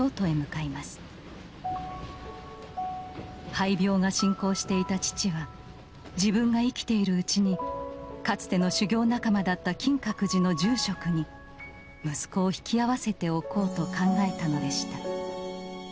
肺病が進行していた父は自分が生きているうちにかつての修行仲間だった金閣寺の住職に息子を引き合わせておこうと考えたのでした